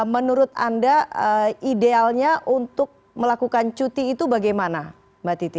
menurut anda idealnya untuk melakukan cuti itu bagaimana mbak titi